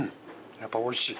やっぱおいしい。